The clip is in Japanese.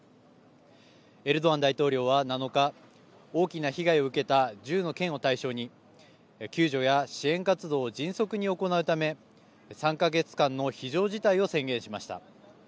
エルドアン大統領は７日大きな被害を受けた１０の県を対象に救助や支援活動を迅速に行うため３か月間の非常事態を宣言しました。